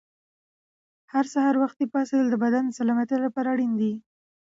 هر سهار وختي پاڅېدل د بدن د سلامتیا لپاره اړین دي.